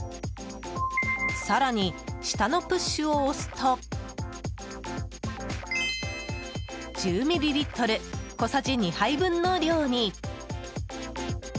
更に下の「ＰＵＳＨ」を押すと１０ミリリットル小さじ２杯分の量に。